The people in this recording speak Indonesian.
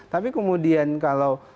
tapi kemudian kalau